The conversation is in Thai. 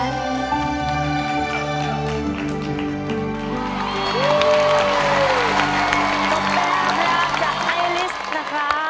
ขอบคุณค่ะ